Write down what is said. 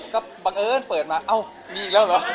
ก็บังเอิญเปิดมาเอ้ามีอีกแล้วเหรอ